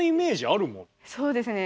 そうですね。